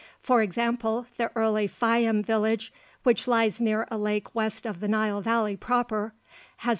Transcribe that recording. For example, the early Fayum village which lies near a lake west of the Nile Valley proper (see p.